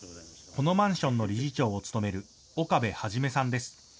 このマンションの理事長を務める岡部孟さんです。